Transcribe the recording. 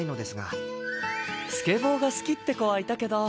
スケボーが好きって子はいたけど。